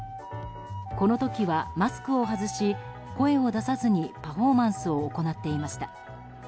この時はマスクを外し声を出さずにパフォーマンスを行っていました。